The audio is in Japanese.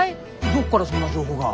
どこからそんな情報が。